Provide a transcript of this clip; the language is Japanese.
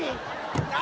何！？